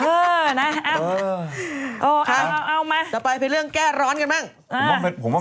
เออนะเอาเอามาต่อไปเป็นเรื่องแก้ร้อนกันบ้างอ่า